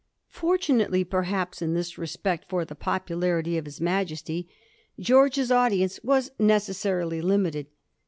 Fortunately perhaps in this respect for the popularity of His Majesty, Greorge's audience was necessarily limited.